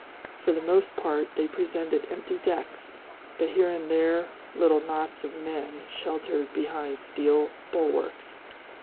For the most part they presented empty decks, but here and there little knots of men sheltered behind steel bulwarks.